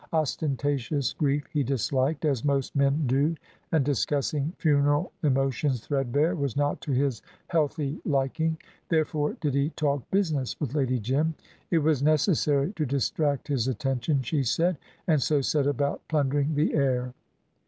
Ostentatious grief he disliked, as most men do, and discussing funeral emotions threadbare was not to his healthy liking. Therefore did he talk business with Lady Jim. It was necessary to distract his attention, she said, and so set about plundering the heir.